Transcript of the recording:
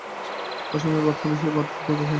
অসময়ে বাঁধ হলে সেই বাঁধ দুর্বল হয়।